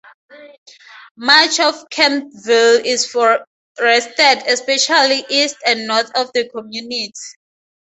Much of Kemptville is forested, especially east and north of the community.